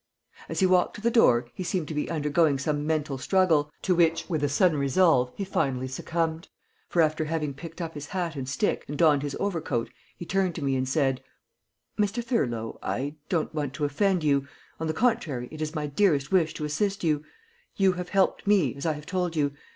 As he walked to the door he seemed to be undergoing some mental struggle, to which, with a sudden resolve, he finally succumbed, for, after having picked up his hat and stick and donned his overcoat, he turned to me and said: "Mr. Thurlow, I don't want to offend you. On the contrary, it is my dearest wish to assist you. You have helped me, as I have told you.